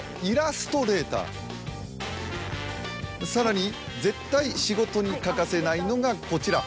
さらに絶対仕事に欠かせないのがこちら。